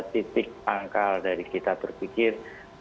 titik pangkal dari kita berpikir